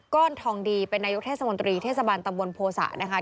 ทองดีเป็นนายกเทศมนตรีเทศบาลตำบลโภษะนะคะ